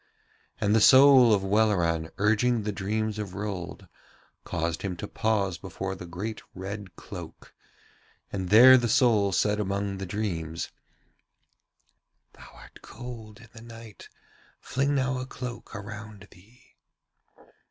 And the soul of Welleran urging the dreams of Rold caused him to pause before the great red cloak, and there the soul said among the dreams: 'Thou art cold in the night; fling now a cloak around thee.'